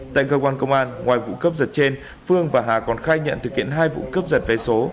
tại cơ quan công an ngoài vụ cướp giật trên phương và hà còn khai nhận thực hiện hai vụ cướp giật vé số